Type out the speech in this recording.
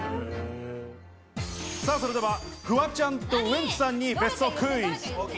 それではフワちゃんとウエンツさんに別荘クイズ！